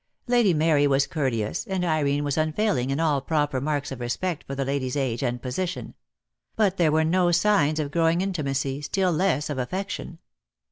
Lady Mary was courteous, and Irene was un failing in all proper marks of respect for the lady's age and position; but there were no signs of grow ing intimacy, still less of affection.